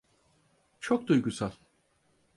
Çok duygusal.